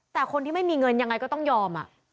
แต่คนที่ไม่มีเงินยังไงก็ต้องยอม